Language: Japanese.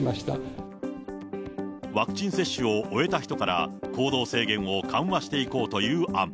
ワクチン接種を終えた人から、行動制限を緩和していこうという案。